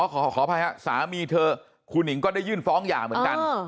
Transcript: ขออภัยครับสามีเธอครูหนิงก็ได้ยื่นฟ้องหย่าเหมือนกัน